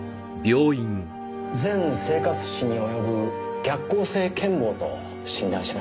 全生活史に及ぶ逆行性健忘と診断しました。